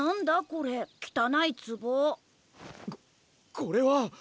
ここれは！